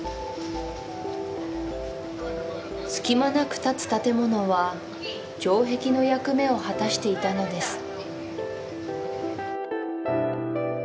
隙間なく立つ建物は城壁の役目を果たしていたのです